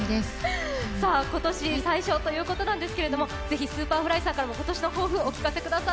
今年、最初ということですけど、是非Ｓｕｐｅｒｆｌｙさんから今年の抱負、お聞かせください。